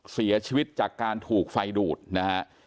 เสียชีวิตจากการถูกไฟดูดนะฮะ